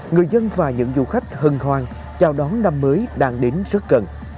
người dân và những du khách hừng hoang chào đón năm mới đang đến rất gần